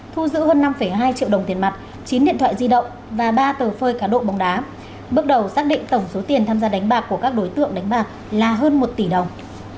thu giữ hơn năm hai triệu đồng tiền mặt chín điện thoại di động và ba tờ phơi cá độ bóng đá bước đầu xác định tổng số tiền tham gia đánh bạc của các đối tượng đánh bạc là hơn một tỷ đồng